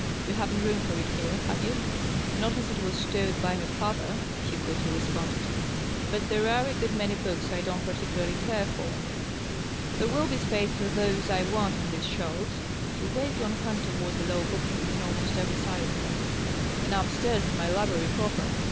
Yon haven't room for it here, have you ?"" Not as it was stowed by her father," he quickly responded. " But there are a good many books I don't particularly care for. There will be space for those I want on these shelves" (he waved one hand toward the low bookcases on almost every side of him) " and up stairs in my library proper.